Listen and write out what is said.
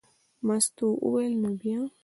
مستو وویل: نو بیا.